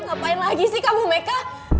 ngapain lagi sih kamu meka